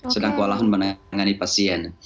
sedang kewalahan menangani pasien